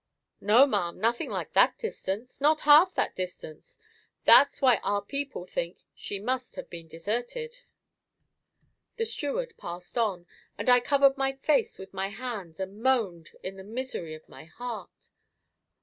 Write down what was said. "No, ma'am; nothing like that distance—not half that distance; that's why our people think she may have been deserted." The steward passed on, and I covered my face with my hands and moaned in the misery of my heart.